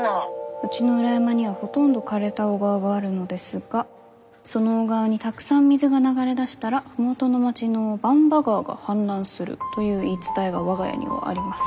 「うちの裏山にはほとんど枯れた小川があるのですがその小川にたくさん水が流れ出したら麓の町の番場川が氾濫するという言い伝えが我が家にはあります」。